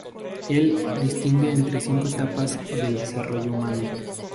Él distingue entre cinco etapas del desarrollo humano.